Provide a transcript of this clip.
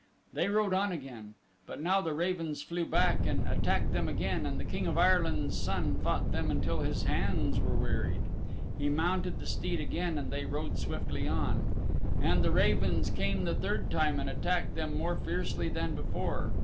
They rode on again. But now the ravens flew back and attacked them again and the King of Ireland's Son fought them until his hands were wearied. He mounted the steed again, and they rode swiftly on. And the ravens came the third time and attacked them more fiercely than before.